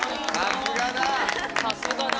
さすがだ！